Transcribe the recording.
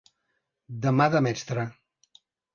De mà de mestre.